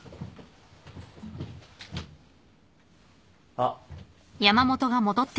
あっ。